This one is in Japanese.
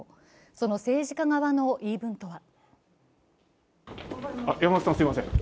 その政治家側の言い分とは。